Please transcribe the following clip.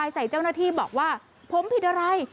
ใส่เจ้าหน้าที่บอกว่าผมผิดอะไร